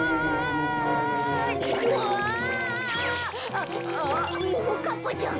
あっももかっぱちゃん